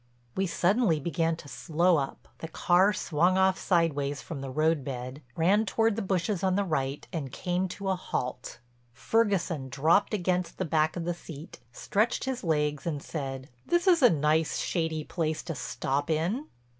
We suddenly began to slow up, the car swung off sideways from the roadbed, ran toward the bushes on the right, and came to a halt. Ferguson dropped against the back of the seat, stretched his legs and said: "This is a nice shady place to stop in."